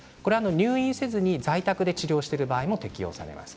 入院せずに在宅で治療している場合も適用されます。